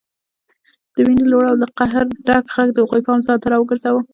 د مينې لوړ او له قهره ډک غږ د هغوی پام ځانته راوګرځاوه